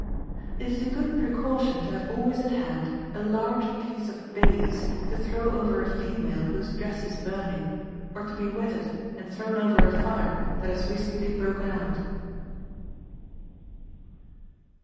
It is a Good Precaution to have always at hand a large piece of baize, to throw over a female whose dress is burning, or to be wetted and thrown over a fire that has recently broken out.